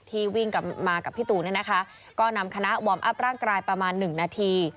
ที่วิ่งกลับมากับพี่ตูนเนี่ยนะคะก็นำคณะวอร์มอัพร่างกายประมาณหนึ่งนาที